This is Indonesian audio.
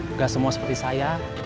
nggak semua seperti saya